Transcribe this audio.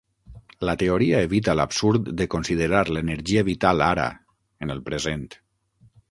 La teoria evita l'absurd de considerar l'energia vital ara, en el present.